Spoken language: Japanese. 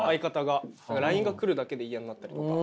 ＬＩＮＥが来るだけで嫌になったりとか。